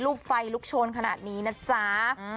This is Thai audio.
รูปไฟรูปโชว์ขนาดนี้นะจ๊ะ